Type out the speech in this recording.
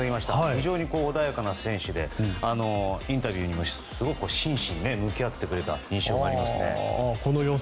非常に穏やかな選手でインタビューにもすごく真摯に向き合ってくれた印象がありますね。